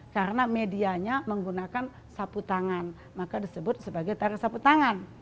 karena medianya menggunakan sapu tangan maka disebut sebagai tari sapu tangan